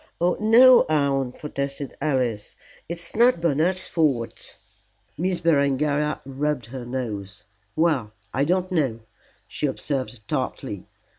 "Oh no, aunt," protested Alice; "it is not Bernard's fault." Miss Berengaria rubbed her nose. "Well, I don't know," she observed tartly.